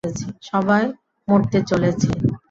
সবাই মরতে চলেছি।